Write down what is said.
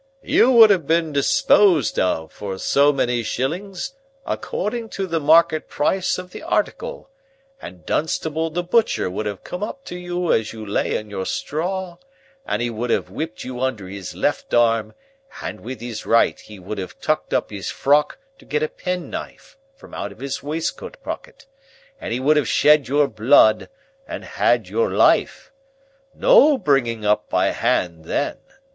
"You would have been disposed of for so many shillings according to the market price of the article, and Dunstable the butcher would have come up to you as you lay in your straw, and he would have whipped you under his left arm, and with his right he would have tucked up his frock to get a penknife from out of his waistcoat pocket, and he would have shed your blood and had your life. No bringing up by hand then.